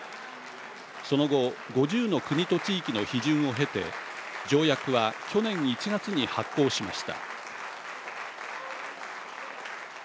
その後、５０の国と地域の批准を経て条約は去年１月に発効しました。